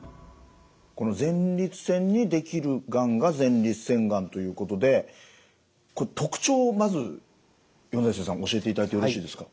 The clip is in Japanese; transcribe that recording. この前立腺に出来るがんが前立腺がんということでこれ特徴をまず米瀬さん教えていただいてよろしいですか？